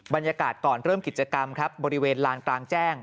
บรรยากาศก่อนเริ่มกิจกรรมครับบริเวณลานกลางแจ้ง